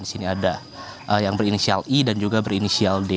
di sini ada yang berinisial i dan juga berinisial d